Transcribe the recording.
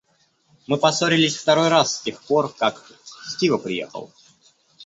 Мы поссорились второй раз с тех пор, как... Стива приехал.